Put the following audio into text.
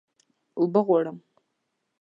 اوبه غواړم